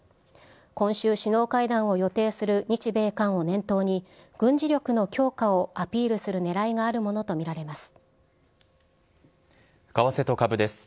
今週、首脳会談を予定する日米韓を念頭に、軍事力の強化をアピールするねらいがあるものと見られます。